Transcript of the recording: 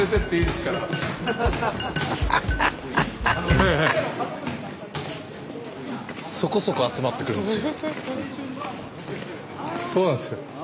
スタジオそこそこ集まってくれるんですよ。